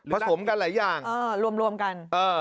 สมกันหลายอย่างรวมกัน